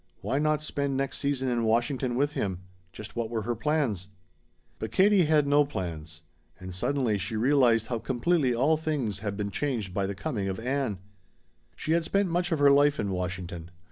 Why not spend next season in Washington with him? Just what were her plans? But Katie had no plans. And suddenly she realized how completely all things had been changed by the coming of Ann. She had spent much of her life in Washington.